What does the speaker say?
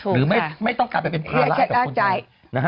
หรือไม่ต้องการเป็นภาระกับคนเดียว